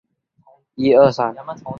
棕竹为棕榈科棕竹属下的一个种。